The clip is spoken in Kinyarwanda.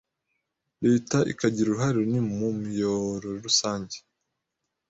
leta ikagira uruhare runini mu miyooro rusange